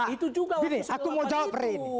itu juga waktu setelah waktu itu